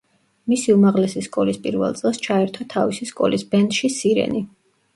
მისი უმაღლესი სკოლის პირველ წელს ჩაერთო თავისი სკოლის ბენდში „სირენი“.